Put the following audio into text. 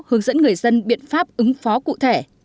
hướng dẫn người dân biện pháp ứng phó cụ thể